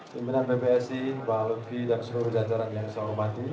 pembina pbbc pak ludfi dan seluruh jajaran yang saya hormati